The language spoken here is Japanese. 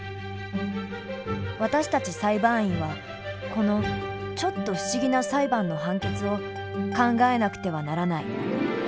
私たち裁判員はこのちょっと不思議な裁判の判決を考えなくてはならない。